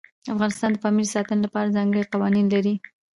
افغانستان د پامیر د ساتنې لپاره ځانګړي قوانین لري.